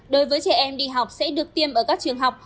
đối với trẻ em đi học sẽ được tiêm ở các trường học